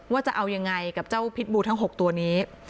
จะเอายังไงกับเจ้าพิษบูทั้ง๖ตัวนี้